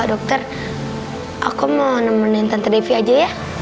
dokter aku mau nemenin tante dev aja ya